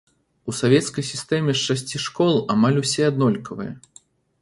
У савецкай сістэме з шасці школ амаль усе аднолькавыя.